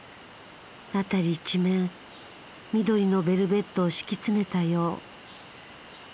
辺り一面緑のベルベットを敷き詰めたよう。